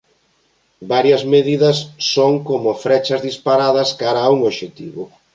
Varias medidas son como frechas disparadas cara a un obxectivo.